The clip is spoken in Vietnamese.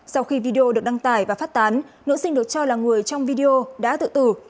sau khi video được đăng tải và phát tán nữ sinh được cho là người trong video đã tự tử